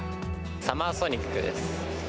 サマーソニックです。